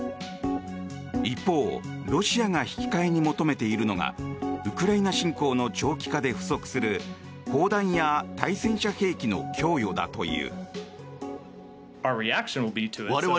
一方、ロシアが引き換えに求めているのがウクライナ侵攻の長期化で不足する砲弾や対戦車兵器の供与だという。